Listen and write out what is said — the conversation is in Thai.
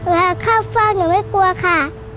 และข้าวฝั่งหนูไม่กลัวค่ะ